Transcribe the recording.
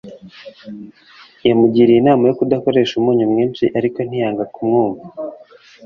Yamugiriye inama yo kudakoresha umunyu mwinshi ariko ntiyanga kumwumva